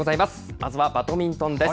まずはバドミントンです。